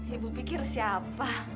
ibu pikir siapa